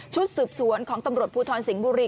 ชุดสืบสวนของตำรวจภูทรสิงห์บุรี